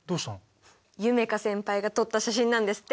夢叶先輩が撮った写真なんですって。